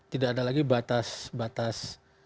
tidak ada lagi batas batas